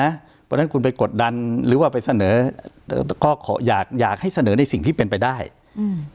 เพราะฉะนั้นคุณไปกดดันหรือว่าไปเสนอก็ขออยากอยากให้เสนอในสิ่งที่เป็นไปได้อืม